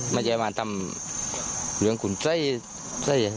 ไม่ใช่มาทำเรื่องขุนใจใจราช